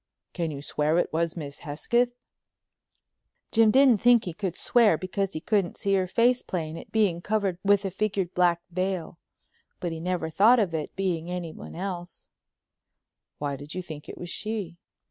"Can you swear it was Miss Hesketh?" Jim didn't think he could swear because he couldn't see her face plain, it being covered with a figured black veil. But he never thought of it being anyone else. "Why did you think it was she?"